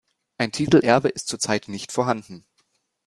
Ein Titelerbe ist zurzeit nicht vorhanden.